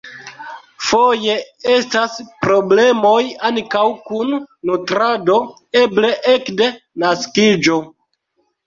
Foje estas problemoj ankaŭ kun nutrado, eble ekde naskiĝo.